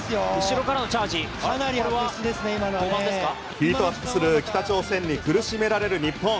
ヒートアップする北朝鮮に苦しめられる日本。